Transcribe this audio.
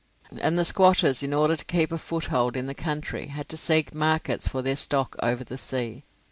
And the squatters, in order to keep a foothold in the country, had to seek markets for their stock over the sea.